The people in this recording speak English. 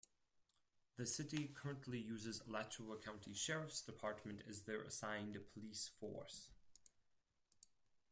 The city currently uses Alachua County Sheriff's Department as their assigned police force.